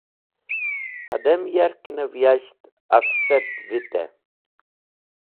Hẽdem yarkẽnẽv yasht efsẽt vitẽ.